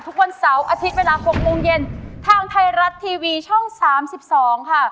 ทุกวันเสาร์อาทิตย์เวลา๖โมงเย็นทางไทยรัฐทีวีช่อง๓๒ค่ะ